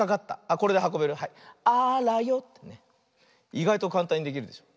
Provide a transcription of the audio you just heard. いがいとかんたんにできるでしょ。